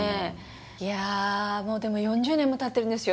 いやもうでも４０年もたってるんですよ